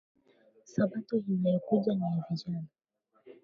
Sabato inayo kuja niya vijana